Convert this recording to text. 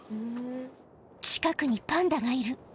近くにパンダがいる。